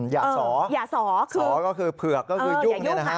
อย่าสอก็คือเผือกก็คือยุ่ง